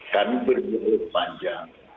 kami berdua berpanjang